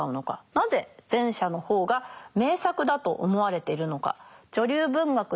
なぜ前者の方が名作だと思われているのか。